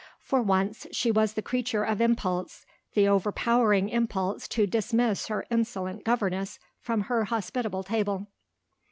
For once, she was the creature of impulse the overpowering impulse to dismiss her insolent governess from her hospitable table.